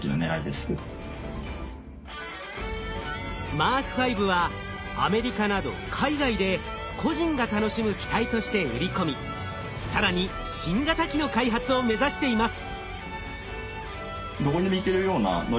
Ｍｋ−５はアメリカなど海外で個人が楽しむ機体として売り込み更に新型機の開発を目指しています。